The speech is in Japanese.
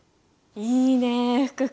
いいね福君。